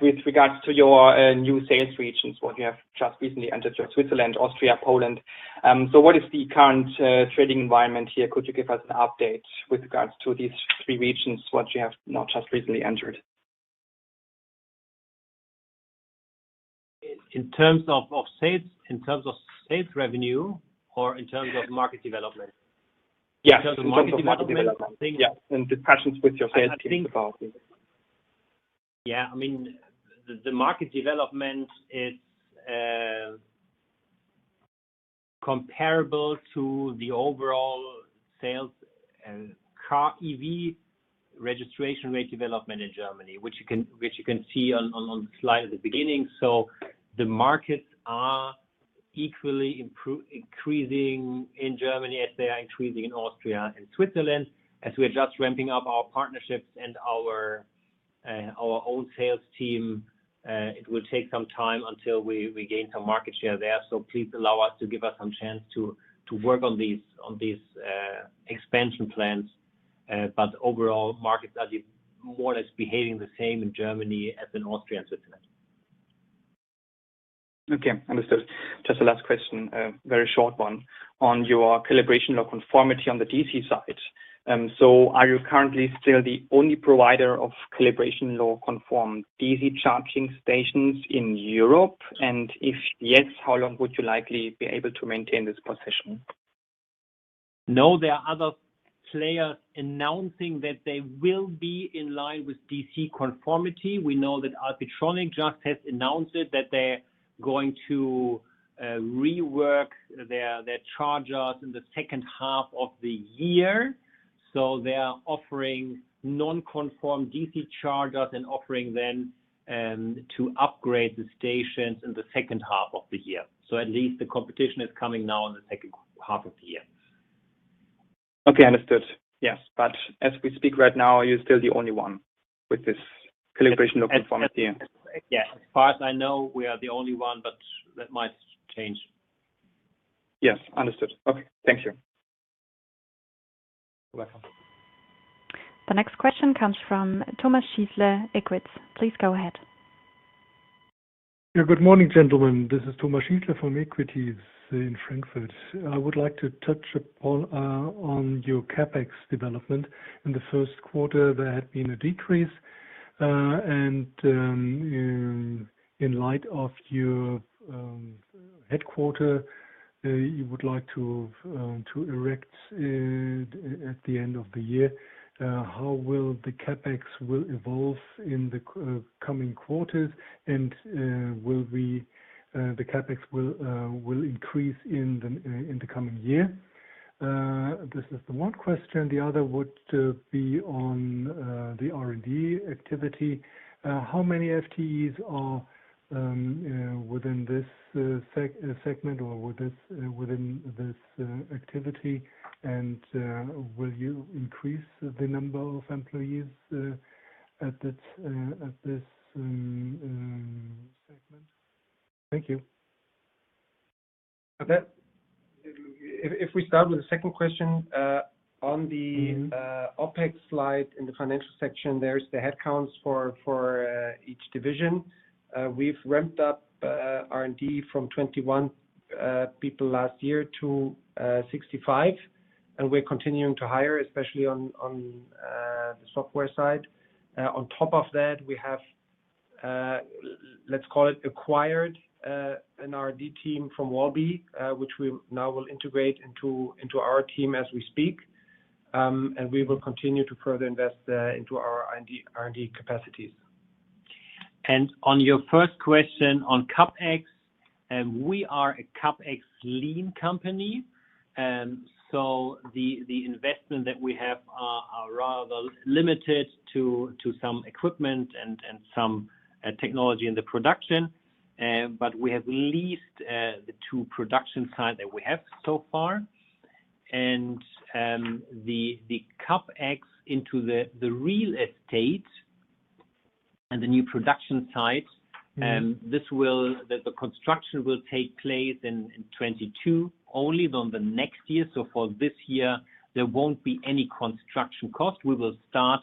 Speaker 4: With regards to your new sales regions, what you have just recently entered, so Switzerland, Austria, Poland. What is the current trading environment here? Could you give us an update with regards to these three regions, what you have now just recently entered?
Speaker 2: In terms of sales revenue or in terms of market development?
Speaker 4: Yeah. In terms of market development. Yeah, and discussions with your sales team about it.
Speaker 2: Yeah. The market development is comparable to the overall sales car EV registration rate development in Germany, which you can see on the slide at the beginning. The markets are equally increasing in Germany as they are increasing in Austria and Switzerland. As we're just ramping up our partnerships and our own sales team, it will take some time until we gain some market share there. Please allow us to give us some chance to work on these expansion plans. Overall, markets are more or less behaving the same in Germany as in Austria and Switzerland.
Speaker 4: Okay. Understood. Just the last question, a very short one. On your calibration or conformity on the DC side. Are you currently still the only provider of calibration law conformed DC charging stations in Europe? If yes, how long would you likely be able to maintain this position?
Speaker 2: No, there are other players announcing that they will be in line with DC conformity. We know that Alpitronic just has announced it, that they're going to rework their chargers in the second half of the year. They are offering non-conformed DC chargers and offering them to upgrade the stations in the second half of the year. At least the competition is coming now in the second half of the year.
Speaker 4: Okay, understood. As we speak right now, are you still the only one with this calibration or conformity?
Speaker 2: As far as I know, we are the only one, but that might change.
Speaker 4: Yes, understood. Okay. Thank you.
Speaker 2: You're welcome.
Speaker 1: The next question comes from Thomas Schindler, Equita. Please go ahead.
Speaker 6: Good morning, gentlemen. This is Thomas Schindler from Equita in Frankfurt. I would like to touch upon your CapEx development. In the first quarter, there had been a decrease. In light of your headquarter, you would like to erect at the end of the year, how will the CapEx evolve in the coming quarters, and will the CapEx increase in the coming year? This is the one question. The other would be on the R&D activity. How many FTEs are within this segment or within this activity, and will you increase the number of employees at this segment? Thank you.
Speaker 2: If we start with the second question, on the OpEx slide in the financial section, there's the headcounts for each division. We've ramped up R&D from 21 people last year to 65, and we're continuing to hire, especially on the software side. On top of that, we have, let's call it acquired an R&D team from wallbe, which we now will integrate into our team as we speak. We will continue to further invest into our R&D capacities. On your first question on CapEx, we are a CapEx lean company. The investment that we have are rather limited to some equipment and some technology in the production. We have leased the two production sites that we have so far. The CapEx into the real estate and the new production sites, the construction will take place in 2022, only then the next year. For this year, there won't be any construction cost. We will start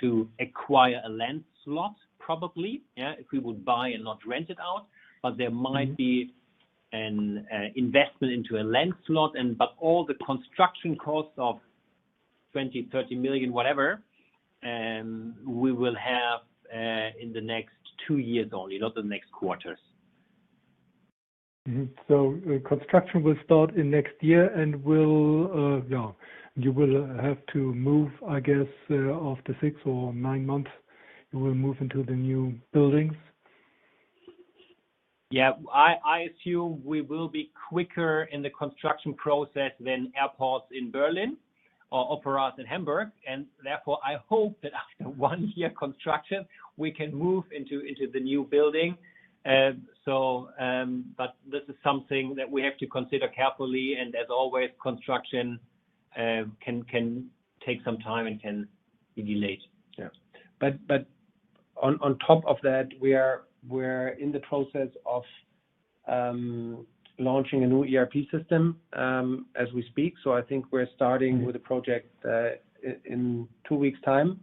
Speaker 2: to acquire a land slot, probably. Yeah, if we would buy and not rent it out. There might be an investment into a land slot, but all the construction costs of 20 million, 30 million, whatever, we will have in the next two years only, not the next quarters.
Speaker 6: Mm-hmm. Construction will start in next year, and you will have to move, I guess, after six or nine months, you will move into the new buildings?
Speaker 2: Yeah. I assume we will be quicker in the construction process than airports in Berlin or operas in Hamburg, and therefore, I hope that after one year construction, we can move into the new building. This is something that we have to consider carefully, and as always, construction can take some time and can be delayed.
Speaker 3: On top of that, we're in the process of launching a new ERP system as we speak. I think we're starting with a project in two weeks' time.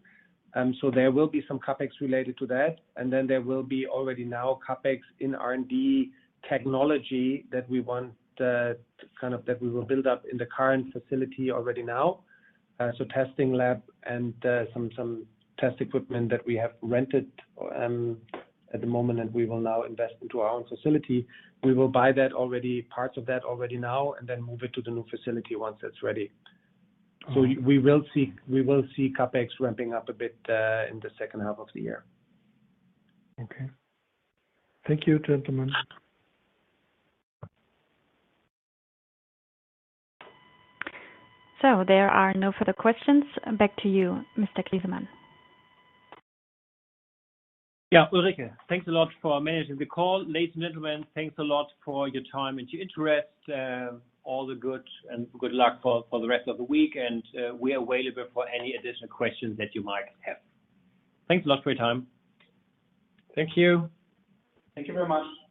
Speaker 3: There will be some CapEx related to that, and then there will be already now CapEx in R&D technology that we will build up in the current facility already now. Testing lab and some test equipment that we have rented at the moment, we will now invest into our own facility. We will buy parts of that already now, and then move it to the new facility once it's ready. We will see CapEx ramping up a bit in the second half of the year.
Speaker 6: Okay. Thank you, gentlemen.
Speaker 1: There are no further questions. Back to you, Mr. Griesemann.
Speaker 2: Yeah, Ulrike, thanks a lot for managing the call. Ladies and gentlemen, thanks a lot for your time and your interest. All the good and good luck for the rest of the week, and we are available for any additional questions that you might have. Thanks a lot for your time.
Speaker 3: Thank you.
Speaker 2: Thank you very much.